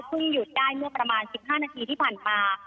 หยุดได้เมื่อประมาณ๑๕นาทีที่ผ่านมา